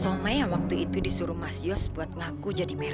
sampai jumpa di video selanjutnya